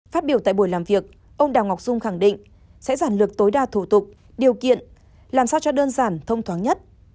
phát biểu tại buổi làm việc ông đào ngọc dung khẳng định sẽ giản lược tối đa thủ tục điều kiện làm sao cho đơn giản thông thoáng nhất